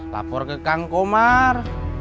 lapor ke kang komar